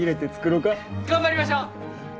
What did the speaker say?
頑張りましょう！